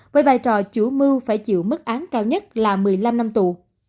với vai trò chủ mưu phải chịu mức án cao nhất là một mươi năm năm tù